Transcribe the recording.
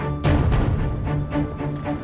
aku jadi keloparan